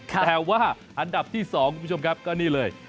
แต่ว่าอันดับที่๒คุณผู้ชมครับก็นี่เลย